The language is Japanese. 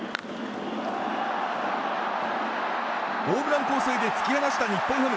ホームラン構成で突き放した日本ハム。